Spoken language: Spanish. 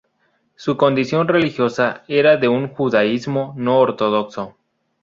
Su condición religiosa era de un judaísmo no ortodoxo.